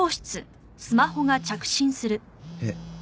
えっ？